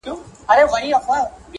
نو په الله تعالی باندې توكل كوه